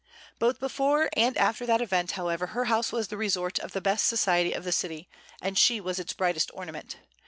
Both before and after that event, however, her house was the resort of the best society of the city, and she was its brightest ornament.